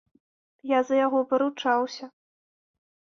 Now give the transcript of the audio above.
Я за яго паручаўся.